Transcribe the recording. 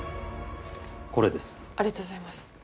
これです。